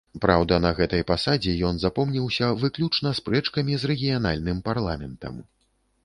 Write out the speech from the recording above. Праўда, на гэтай пасадзе ён запомніўся выключна спрэчкамі з рэгіянальным парламентам.